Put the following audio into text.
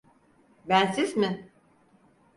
Bensiz mi?